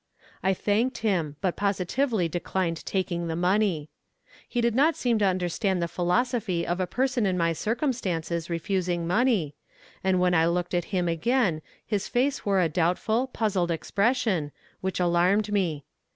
I thanked him, but positively declined taking the money. He did not seem to understand the philosophy of a person in my circumstances refusing money, and when I looked at him again his face wore a doubtful, puzzled expression, which alarmed me.